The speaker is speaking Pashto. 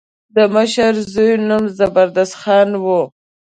د مشر زوی نوم زبردست خان و.